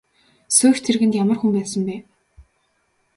Сүйх тэргэнд ямар хүн байсан бэ?